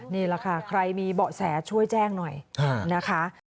นี่แหละค่ะใครมีเบาะแสช่วยแจ้งหน่อยนะคะ